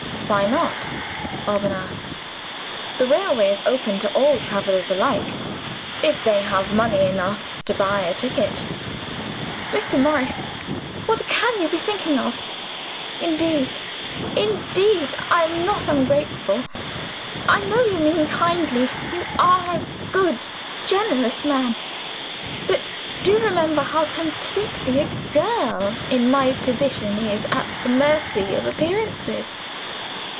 "Why not?" Alban asked. "The railway is open to all travelers alike, if they have money enough to buy a ticket." "Mr. Morris! what can you be thinking of? Indeed, indeed, I am not ungrateful. I know you mean kindly you are a good, generous man. But do remember how completely a girl, in my position, is at the mercy of appearances.